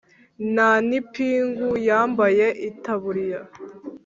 ntanipingu yambaye.itaburiya